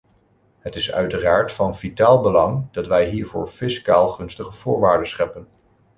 Het is uiteraard van vitaal belang dat wij hiervoor fiscaal gunstige voorwaarden scheppen.